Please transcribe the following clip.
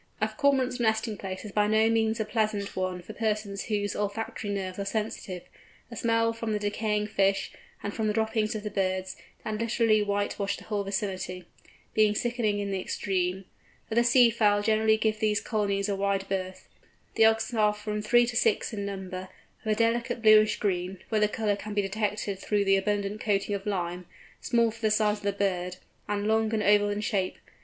A Cormorant's nesting place is by no means a pleasant one for persons whose olfactory nerves are sensitive, the smell from the decaying fish, and from the droppings of the birds, that literally whitewash the whole vicinity, being sickening in the extreme. Other sea fowl usually give these colonies a wide birth. The eggs are from three to six in number, of a delicate bluish green—where the colour can be detected through the abundant coating of lime—small for the size of the bird, and long and oval in shape.